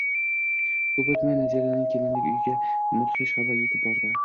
Ko`p o`tmay Naziraning kelinlik uyiga mudhish xabar etib bordi